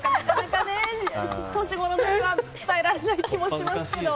年頃の人は伝えられない気もしますけど。